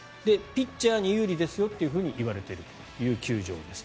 ピッチャーに有利ですよといわれている球場です。